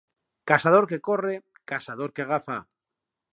Caçador que corre, caçador que agafa.